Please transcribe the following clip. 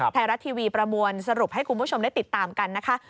ไทยรัฐทีวีประมวลสรุปให้คุณผู้ชมได้ติดตามกันนะคะ